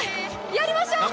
やりましょう。